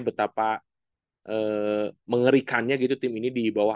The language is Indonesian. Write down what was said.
betapa mengerikannya gitu tim ini di bawah